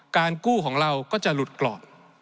การกู้ของเราก็จะหลุดกรอบ